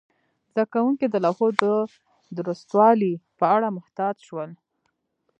زده کوونکي د لوحو د درستوالي په اړه محتاط شول.